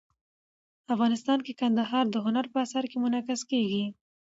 افغانستان کې کندهار د هنر په اثار کې منعکس کېږي.